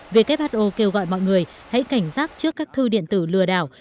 who kêu gọi mọi người hãy cảnh giác trước các thư điện tử lừa đảo